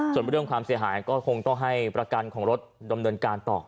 ส่วนเรื่องความเสียหายก็คงต้องให้ประกันของรถดำเนินการต่อ